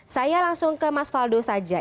saya langsung ke mas faldo saja